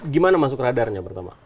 gimana masuk radarnya pertama